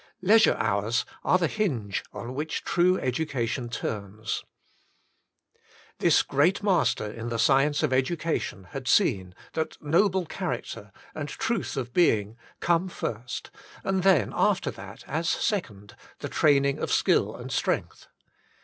,.. Leisure hours are the hinge on which true education turns/^ This great master in the science of education had seen, that noble character, and truth of being, come first, and then after that, as second, the training of skill and strength.